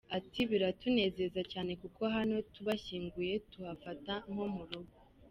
Ati “ Biratuneza cyane kuko hano tubashyinguye tuhafata nko murugo.